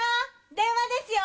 電話ですよ！